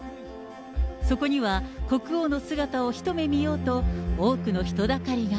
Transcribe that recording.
そこには国王の姿を一目見ようと、多くの人だかりが。